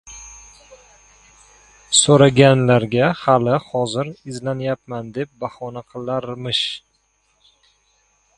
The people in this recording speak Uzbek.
— So‘raganlarga, hali-hozir izlanyapman, deb bahona qilarmish.